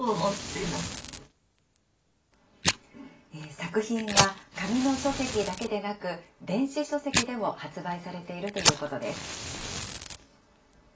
作品は紙の書籍だけでなく、電子書籍でも発売されているということです。